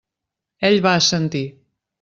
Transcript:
Ell va assentir.